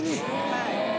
はい。